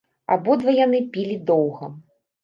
Абодва яны пілі доўга.